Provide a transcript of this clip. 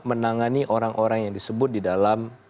menangani orang orang yang disebut di dalam